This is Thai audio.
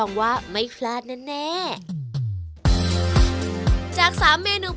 ประกาศรายชื่อพศ๒๕๖๑